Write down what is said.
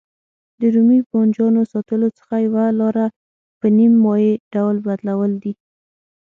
د رومي بانجانو ساتلو څخه یوه لاره په نیم مایع ډول بدلول دي.